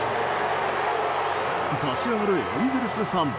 立ち上がるエンゼルスファン。